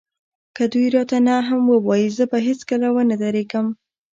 که دوی راته نه هم ووايي زه به هېڅکله ونه درېږم.